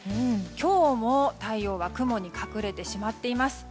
今日も太陽は雲に隠れてしまっています。